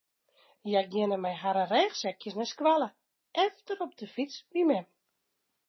Hja geane mei harren rêchsekjes nei skoalle, efter op de fyts by mem.